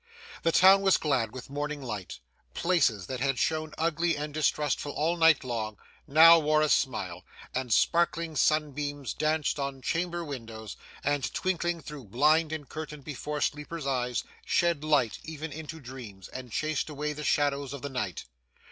The town was glad with morning light; places that had shown ugly and distrustful all night long, now wore a smile; and sparkling sunbeams dancing on chamber windows, and twinkling through blind and curtain before sleepers' eyes, shed light even into dreams, and chased away the shadows of the night.